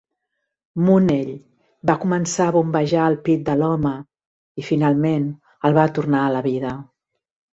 Mooney va començar a bombejar el pit de l'home i finalment el va tornar a la vida.